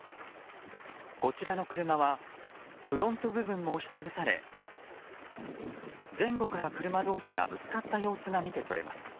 こちらの車はフロント部分も押し潰され前後から車同士がぶつかった様子が見て取れます。